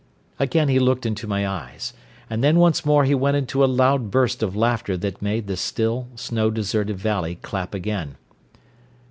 Again he looked into my eyes. And then once more he went into a loud burst of laughter that made the still, snow deserted valley clap again.